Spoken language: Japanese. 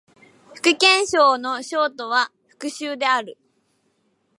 福建省の省都は福州である